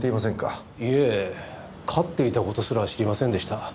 いえ飼っていた事すら知りませんでした。